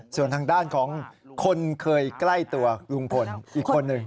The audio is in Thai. ส่วนทางด้านของคนเคยใกล้ตัวลุงพลอีกคนหนึ่ง